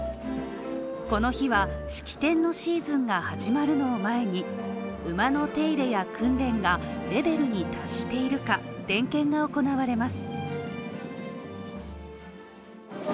この日は、式典のシーズンが始まるのを前に馬の手入れや訓練がレベルに達しているか点検が行われます。